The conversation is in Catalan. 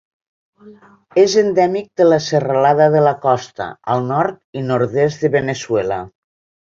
És endèmic de la Serralada de la Costa, al nord i nord-est de Veneçuela.